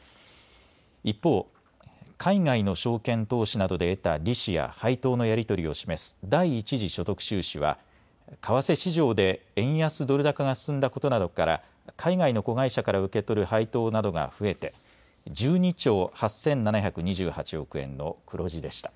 一方、海外の証券投資などで得た利子や配当のやり取りを示す第一次所得収支は為替市場で円安ドル高が進んだことなどから海外の子会社から受け取る配当などが増えて１２兆８７２８億円の黒字でした。